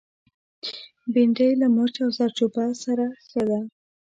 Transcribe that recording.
بېنډۍ له مرچ او زردچوبه سره ښه ده